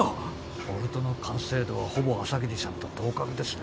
ボルトの完成度はほぼ朝霧さんと同格ですね。